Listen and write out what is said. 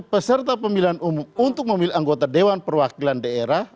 peserta pemilihan umum untuk memilih anggota dewan perwakilan daerah